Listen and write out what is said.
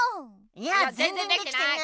いやぜんぜんできてない！